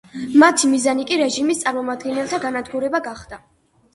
მათი მიზანი კი რეჟიმის წარმომადგენელთა განადგურება გახდა.